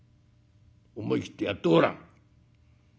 思い切ってやってごらん」。